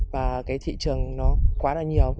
và thị trường nó quá là nhiều